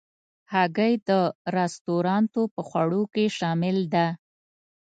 هګۍ د رستورانتو په خوړو کې شامل ده.